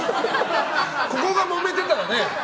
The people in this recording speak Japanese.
ここがもめてたらね。